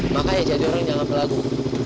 makanya jadi orang nyangap lagu